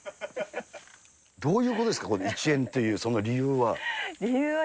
どういうことですか、これ、１円というその理由は。